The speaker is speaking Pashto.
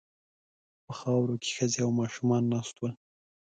په خاورو کې ښځې او ماشومان ناست ول.